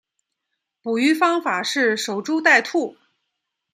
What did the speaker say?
捕鱼方法是守株待兔。